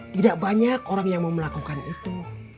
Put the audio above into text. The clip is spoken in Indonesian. tidak banyak orang yang mau melakukan itu